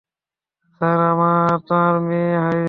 Sir, আপনার মেয়ে হয়েছে।